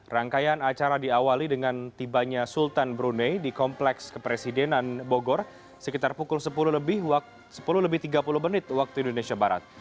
rangkaian acara diawali dengan tibanya sultan brunei di kompleks kepresidenan bogor sekitar pukul sepuluh lebih tiga puluh menit waktu indonesia barat